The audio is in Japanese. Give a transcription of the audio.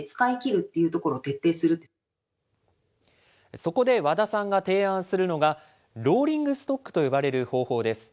そこで、和田さんが提案するのが、ローリングストックと呼ばれる方法です。